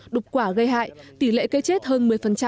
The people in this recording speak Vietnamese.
đục quả gây hại tỷ lệ cây chết hơn một mươi